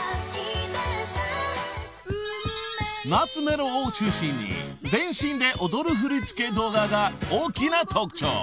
［懐メロを中心に全身で踊る振り付け動画が大きな特徴］